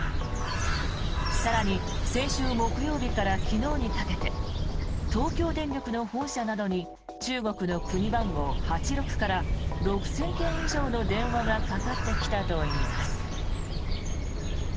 更に先週木曜日から昨日にかけて東京電力の本社などに中国の国番号８６から６０００件以上の電話がかかってきたといいます。